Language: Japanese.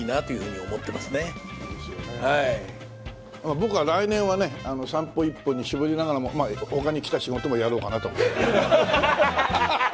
僕は来年はね『散歩』一本に絞りながらも他に来た仕事もやろうかなと。